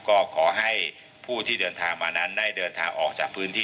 ก็ขอให้ผู้ที่เดินทางมานั้นได้เดินทางออกจากพื้นที่